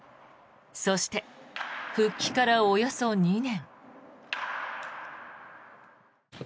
そして、復帰からおよそ２年。